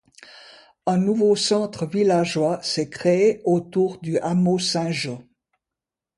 Un nouveau centre villageois s’est créé autour du hameau Saint-Jean.